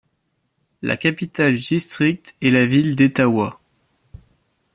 La capitale du district est la ville d'Etawah.